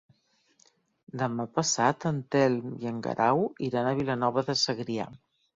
Demà passat en Telm i en Guerau iran a Vilanova de Segrià.